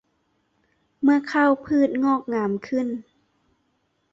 เมื่อข้าวพืชงอกงามขึ้น